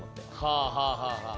はあはあはあはあ。